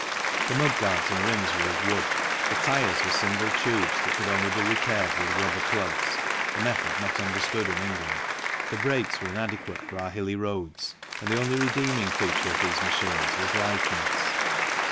The mudguards and rims were of wood, the tyres were single tubes that could only be repaired with rubber plugs (a method not understood in England), the brakes were inadequate for our hilly roads, and the only redeeming feature of these machines was lightness.